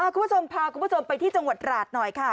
คุณผู้ชมพาคุณผู้ชมไปที่จังหวัดราชหน่อยค่ะ